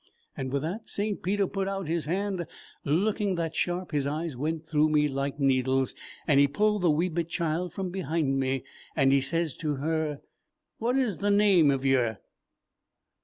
And with that St. Peter put out his hand, looking that sharp his eyes went through me like needles; and he pulled the wee bit child from behind me, and he sez to her: 'What is the name of yer?'